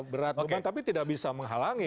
berat beban tapi tidak bisa menghalangi